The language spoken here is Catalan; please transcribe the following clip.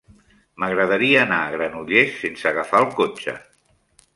M'agradaria anar a Granollers sense agafar el cotxe.